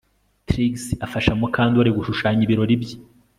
Trix afasha Mukandoli gushushanya ibirori bye